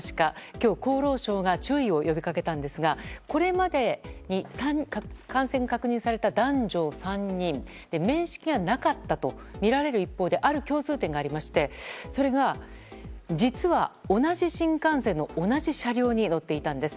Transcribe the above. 今日、厚労省が注意を呼び掛けたんですがこれまでに感染が確認された男女３人面識はなかったとみられる一方である共通点がありましてそれが、実は同じ新幹線の同じ車両に乗っていたんです。